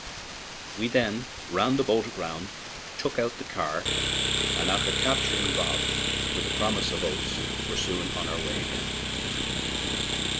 We then ran the boat aground, took out the car, and, after capturing Bob with the promised oats, were soon on our way again.